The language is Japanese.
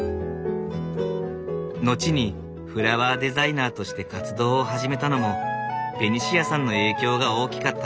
後にフラワーデザイナーとして活動を始めたのもベニシアさんの影響が大きかった。